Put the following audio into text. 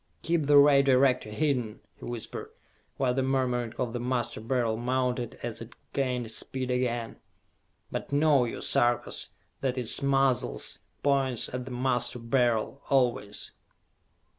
"I keep the Ray Director hidden," he whispered, while the murmuring of the Master Beryl mounted as it gained speed again, "but know you, Sarkas, that its muzzle points at the Master Beryl, always!"